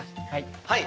はい。